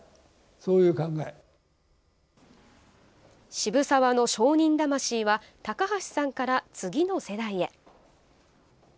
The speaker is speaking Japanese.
渋沢の商人魂は高橋さんから、次の世代へ。